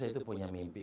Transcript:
saya itu punya mimpi